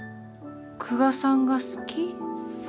久我さんが好き。